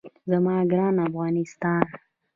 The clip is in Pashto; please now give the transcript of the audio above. زما ګران افغانستان.